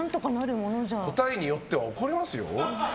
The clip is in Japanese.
答えによっては怒りますよ。